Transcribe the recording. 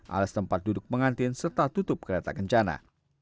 alas tempat duduk pengantin serta tutup kereta kencana